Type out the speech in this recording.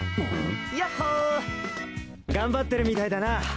ヤッホー！頑張ってるみたいだな。